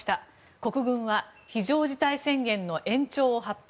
国軍は非常事態宣言の延長を発表。